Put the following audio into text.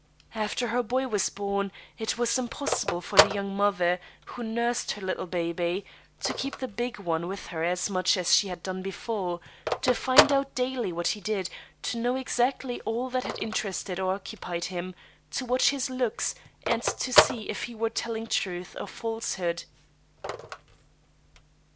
After her boy was bom, it was impossible for the young mother, who nursed her little baby, to keep the big one with her as much as she had done before, to find out daily what he did, to know exactly all that had interested or occupied him, to watch his looks, and to see if he were telling truth or falsehood.